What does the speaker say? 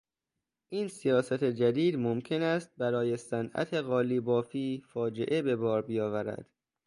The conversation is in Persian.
این سیاست جدید ممکن است برای صنعت قالی بافی فاجعه به بار بیاورد.